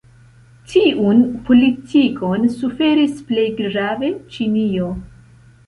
Tiun politikon suferis plej grave Ĉinio.